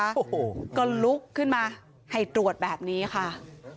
โอ้โหก็ลุกขึ้นมาให้ตรวจแบบนี้ค่ะ